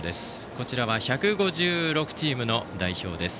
こちらは１５６チームの代表です。